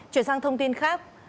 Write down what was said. chuyển sang thông tin khác